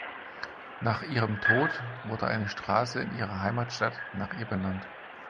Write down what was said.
Nach ihrem Tod wurde eine Straße in ihrer Heimatstadt nach ihr benannt.